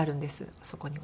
あそこには。